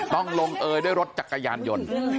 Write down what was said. ต้องลงเอยด้วยรถจักรยานยนต์